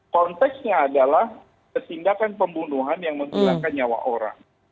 konteksnya adalah ketindakan pembunuhan yang menghilangkan nyawa orang